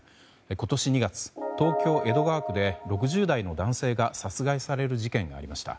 今年２月、東京・江戸川区で６０代の男性が殺害される事件がありました。